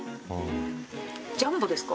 ジャンボですか？